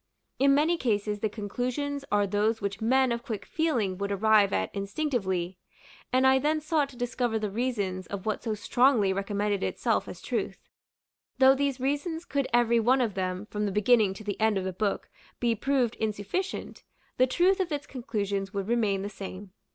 In many cases, the conclusions are those which men of quick feeling would arrive at instinctively; and I then sought to discover the reasons of what so strongly recommended itself as truth. Though these reasons could every one of them, from the beginning to the end of the book, be proved insufficient, the truth of its conclusions would remain the same.